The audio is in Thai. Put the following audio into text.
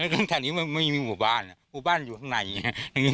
แถวนี้ไม่มีคนสะล้อไม่หน่าแรกตั้งแต่มีหมู่บ้านหูบ้านอยู่ข้างในใหญ่ไอไม่มีใครจะมาสะล้อกัน